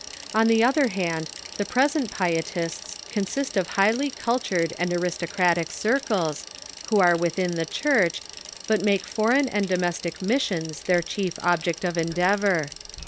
On tbe other band, tbe present Pietists consist of bigbly cult ured and aristocratic circles, wbo are within tbe Church, but make foreign and domestic missions their chief object of en deavor.